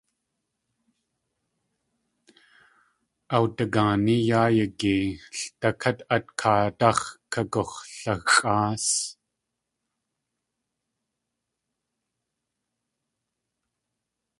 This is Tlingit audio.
Awdagaaní yáa yagiyee, ldakát át kaadáx̲ kagux̲laxʼáas.